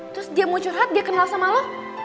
terus dia muncul hat dia kenal sama lo